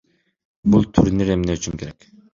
Бул турнир эмне үчүн керек?